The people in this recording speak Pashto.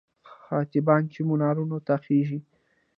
خطیبان چې منبرونو ته خېژي.